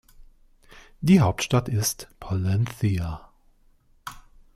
Die Hauptstadt ist Palencia.